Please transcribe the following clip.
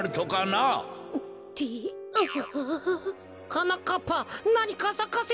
はなかっぱなにかさかせてみろよ。